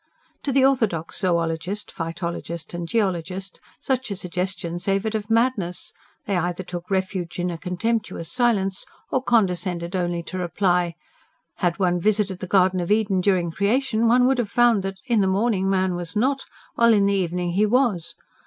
To the orthodox zoologist, phytologist and geologist, such a suggestion savoured of madness; they either took refuge in a contemptuous silence, or condescended only to reply: Had one visited the Garden of Eden during Creation, one would have found that, in the morning, man was not, while in the evening he was!